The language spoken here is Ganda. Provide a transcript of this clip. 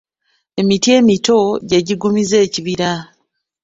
Emiti emito gy’egiggumiza ekibira.